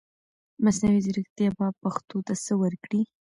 مصنوعي ځرکتيا به پښتو ته سه ورکړٸ